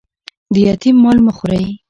د یتیم مال مه خورئ